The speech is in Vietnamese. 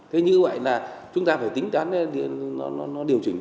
thế như vậy là chúng ta phải tính toán nó điều chỉnh